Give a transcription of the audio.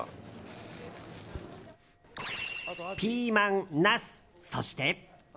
ピーマン、ナス、そして。